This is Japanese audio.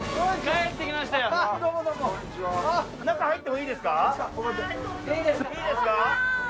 いいですか？